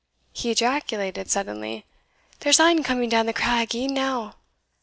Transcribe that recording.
he ejaculated suddenly, "there's ane coming down the crag e'en now!"